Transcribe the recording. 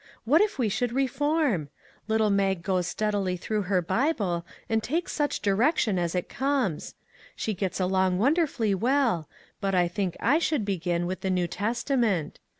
What if we should reform ? Little Mag goes steadily through her Bible and takes each direction as it comes. She gets along wonderfully well, but I think I should begin with the New Testa ment.